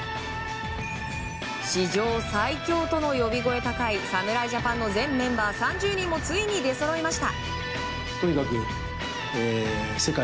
史上最強との呼び声高い侍ジャパンの全メンバー３０人もついに出そろいました。